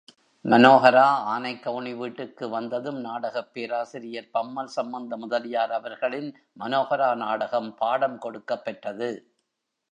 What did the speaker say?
மனோஹரா ஆனைக்கவுணி வீட்டுக்கு வந்ததும் நாடகப் பேராசிரியர் பம்மல் சம்பந்த முதலியார் அவர்களின் மனோஹரா நாடகம் பாடம் கொடுக்கப்பெற்றது.